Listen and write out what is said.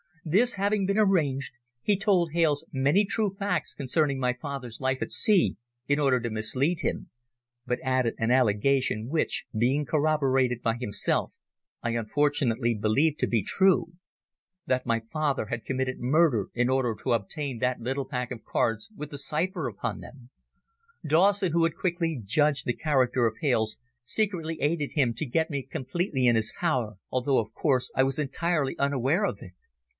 This having been arranged, he told Hales many true facts concerning my father's life at sea in order to mislead me, but added an allegation which, being corroborated by himself, I unfortunately believed to be true, that my father had committed murder in order to obtain that little pack of cards with the cipher upon them. Dawson, who had quickly judged the character of Hales, secretly aided him to get me completely in his power, although, of course, I was entirely unaware of it.